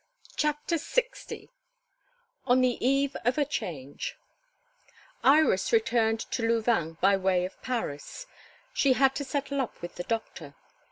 CHAPTER LX ON THE EVE OF A CHANGE IRIS returned to Louvain by way of Paris. She had to settle up with the doctor.